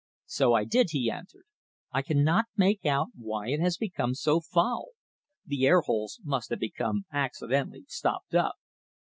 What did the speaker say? "So I did," he answered. "I cannot make out why it has become so foul. The air holes must have become accidentally stopped up."